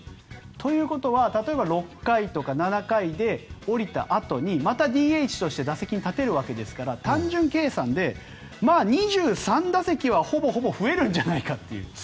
ということは例えば６回とか７回で降りたあとにまたＤＨとして打席に立てるわけですから単純計算で２３打席はほぼほぼ増えるんじゃないかという。